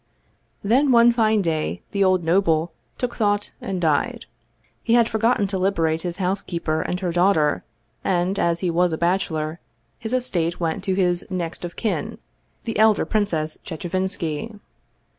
Then one fine day the old noble took thought and died. He had forgotten to liberate his housekeeper and her daughter, and, as he was a bachelor, his estate went to his next of kin, the elder Princess Chechevinski.